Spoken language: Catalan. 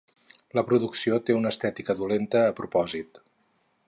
La producció té una "estètica dolenta a propòsit".